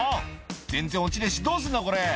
「全然落ちねえしどうすんだこれ」